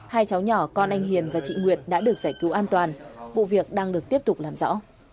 hai cháu nhỏ con anh hiền và chị nguyệt đã được giải cứu an toàn vụ việc đang được tiếp tục làm rõ